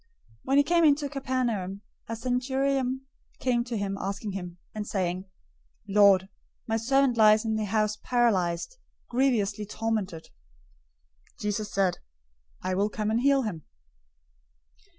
008:005 When he came into Capernaum, a centurion came to him, asking him, 008:006 and saying, "Lord, my servant lies in the house paralyzed, grievously tormented." 008:007 Jesus said to him, "I will come and heal him."